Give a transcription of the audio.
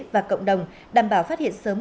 và cộng đồng đảm bảo phát hiện sớm